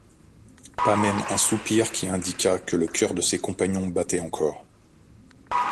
Pas même un soupir qui indiquât que le cœur de ses compagnons battait encore.